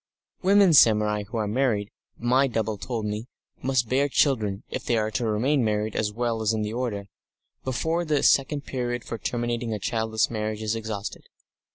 Women samurai who are married, my double told me, must bear children if they are to remain married as well as in the order before the second period for terminating a childless marriage is exhausted.